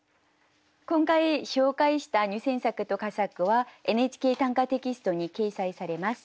今回紹介した入選作と佳作は「ＮＨＫ短歌」テキストに掲載されます。